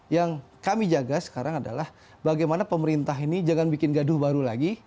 yang kami jaga sekarang adalah bagaimana pemerintah ini jangan bikin gaduh baru lagi